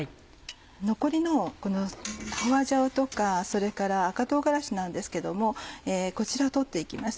残りの花椒とかそれから赤唐辛子なんですけどもこちらを取って行きます。